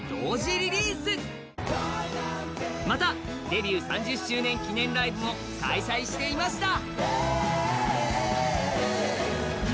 デビュー３０周年記念ライブも開催していました。